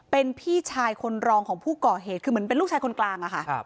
เป็นพี่ชายคนรองของผู้ก่อเหตุคือเหมือนเป็นลูกชายคนกลางอะค่ะ